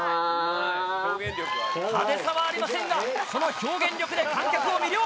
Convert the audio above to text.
派手さはありませんがその表現力で観客を魅了！